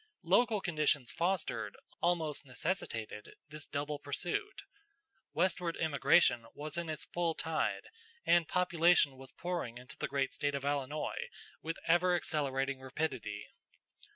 Local conditions fostered, almost necessitated, this double pursuit. Westward emigration was in its full tide, and population was pouring into the great State of Illinois with ever accelerating rapidity.